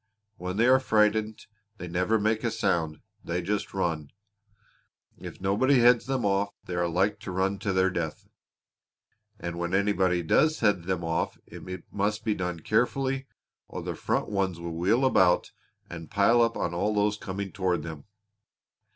When they are frightened they never make a sound they just run. If nobody heads them off they are like to run to their death; and when anybody does head them off it must be done carefully or the front ones will wheel about and pile up on all those coming toward them.